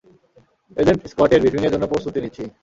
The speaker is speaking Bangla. এজেন্ট স্কটের ব্রিফিংয়ের জন্য প্রস্তুতি নিচ্ছি।